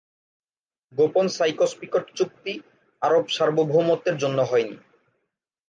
গোপন সাইকস-পিকট চুক্তি আরব সার্বভৌমত্বের জন্য হয়নি।